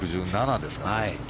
６７ですから。